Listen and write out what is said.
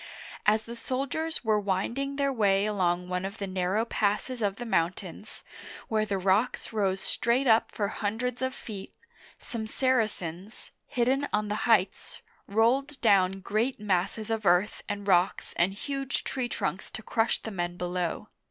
As the soldiers were winding their way along one of the narrow passes of the mountains, where the rocks rose straight up for hundreds of feet, some Saracens, hidden on the heights, rolled down great masses of earth and rocks and huge tree trunks to crush the men below.